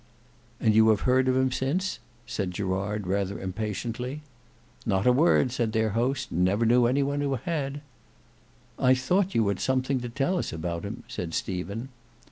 "And you have heard of him since?" said Gerard rather impatiently. "Not a word," said their host; "never knew any one who had." "I thought you had something to tell us about him," said Stephen.